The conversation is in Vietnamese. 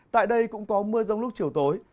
tại đây cũng có mưa rông lúc chiều tối